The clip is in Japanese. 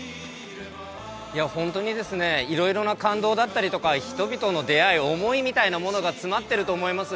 本当にですね、いろいろな感動だったりとか、人々の出会い、思いみたいなものが詰まってると思います。